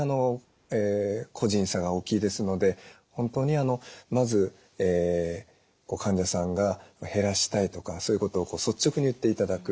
本当にまず患者さんが減らしたいとかそういうことを率直に言っていただく。